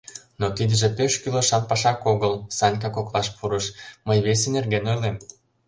— Но тидыже пеш кӱлешан пашак огыл, — Санька, коклаш пурыш, — мый весе нерген ойлем.